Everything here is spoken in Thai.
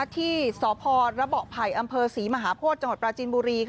ที่สพระเบาะไผ่อำเภอศรีมหาโพธิจังหวัดปราจินบุรี